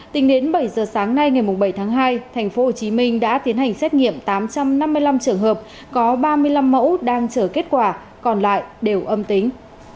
tính đến bảy giờ sáng nay ngày bảy tháng hai tp hcm đã tiến hành xét nghiệm tám trăm năm mươi năm trường hợp có ba mươi năm mẫu đang chờ kết quả còn lại đều âm tính